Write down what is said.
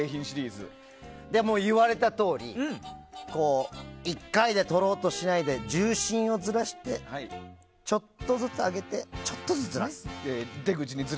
でも、言われたとおり１回で取ろうとしないで重心をずらしてちょっとずつ上げてちょっとずつ。